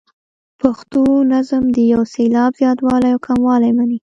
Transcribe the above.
پښتو نظم د یو سېلاب زیاتوالی او کموالی مني.